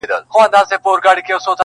خر حیران وو چي سپی ولي معتبر دی؛